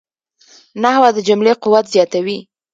نحوه د جملې قوت زیاتوي.